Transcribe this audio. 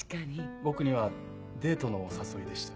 僕にはデートのお誘いでした。